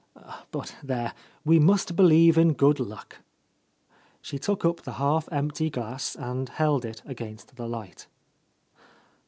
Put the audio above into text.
But there, we must believe in good luck!" She took up the half empty glass and held it against the light.